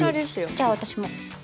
じゃあ私も。